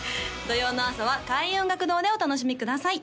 土曜の朝は開運音楽堂でお楽しみください